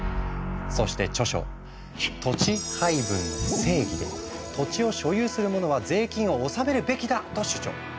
そして著書「土地配分の正義」で「土地を所有する者は税金を納めるべきだ」と主張。